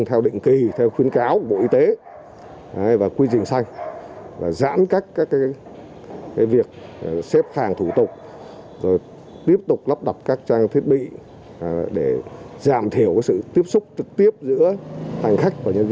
theo định quy định